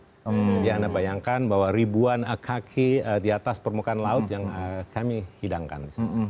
jadi anda bayangkan ribuan kaki di atas permukaan laut yang kami hidangkan